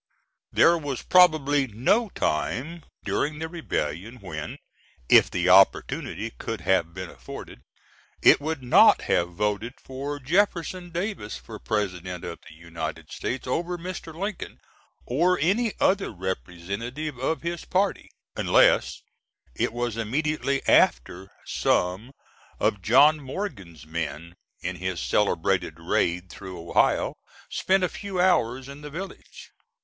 There was probably no time during the rebellion when, if the opportunity could have been afforded, it would not have voted for Jefferson Davis for President of the United States, over Mr. Lincoln, or any other representative of his party; unless it was immediately after some of John Morgan's men, in his celebrated raid through Ohio, spent a few hours in the village.